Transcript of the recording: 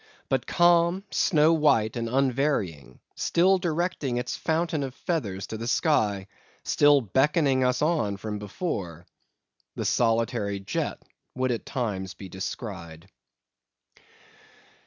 But calm, snow white, and unvarying; still directing its fountain of feathers to the sky; still beckoning us on from before, the solitary jet would at times be descried.